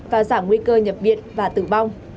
và giảm nguy cơ nhập viện và tử vong